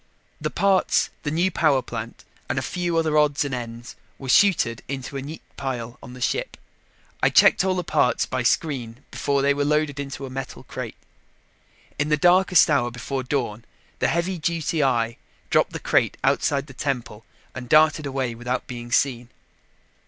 The parts, the new power plant and a few other odds and ends were chuted into a neat pile on the ship. I checked all the parts by screen before they were loaded in a metal crate. In the darkest hour before dawn, the heavy duty eye dropped the crate outside the temple and darted away without being seen.